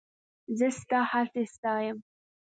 زه ستا هڅې ستایم.